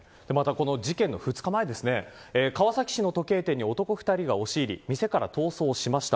事件の２日前、川崎市の時計店に男２人が押し入り店から逃走しました。